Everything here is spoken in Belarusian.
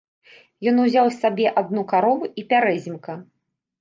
Ён узяў сабе адну карову і пярэзімка.